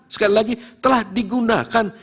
sekali lagi telah digunakan